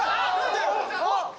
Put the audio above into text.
あっ。